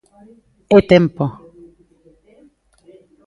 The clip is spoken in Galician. ¡É tempo!